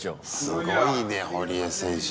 すごいね堀江選手。